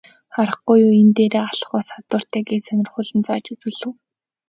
Харахгүй юу, энэ дээрээ алх бас хадууртай гээд сонирхуулан зааж үзүүлэв.